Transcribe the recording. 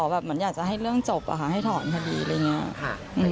แบบเหมือนอยากจะให้เรื่องจบให้ถอนคดีอะไรอย่างนี้ค่ะ